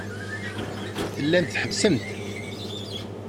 Tellamt tḥebbsemt.